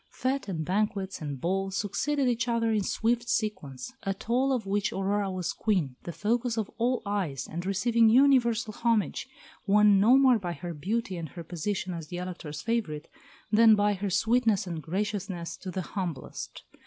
Fêtes and banquets and balls succeeded each other in swift sequence, at all of which Aurora was Queen, the focus of all eyes, and receiving universal homage, won no more by her beauty and her position as the Elector's favourite than by her sweetness and graciousness to the humblest.